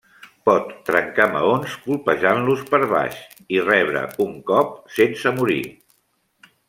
Pot trencar maons colpejant-los per baix i rebre un cop sense morir.